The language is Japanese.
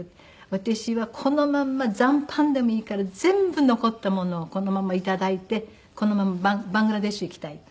「私はこのまんま残飯でもいいから全部残ったものをこのままいただいてこのままバングラデシュ行きたい」。